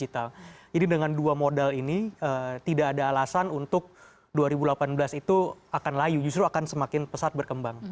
tidak ada alasan untuk dua ribu delapan belas itu akan layu justru akan semakin pesat berkembang